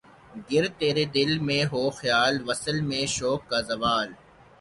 گر تیرے دل میں ہو خیال‘ وصل میں شوق کا زوال؟